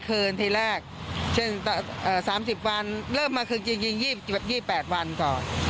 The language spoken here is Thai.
คืนทีแรกเช่น๓๐วันเริ่มมาคือจริง๒๘วันก่อน